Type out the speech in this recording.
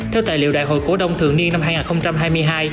theo tài liệu đại hội cổ đông thường niên năm hai nghìn hai mươi hai